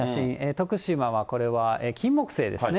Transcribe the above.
徳島はこれはキンモクセイですね。